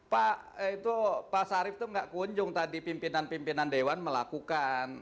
pak itu pak sarif itu nggak kunjung tadi pimpinan pimpinan dewan melakukan